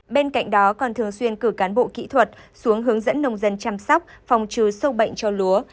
bên cạnh đó còn thường xuyên cử cán bộ kỹ thuật xuống hướng dẫn nông dân chăm sóc phòng trừ sâu bệnh cho lúa